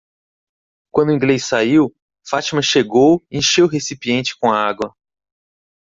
Quando o inglês saiu, Fátima chegou e encheu o recipiente com água.